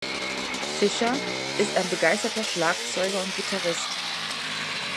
Fisher ist ein begeisterter Schlagzeuger und Gitarrist.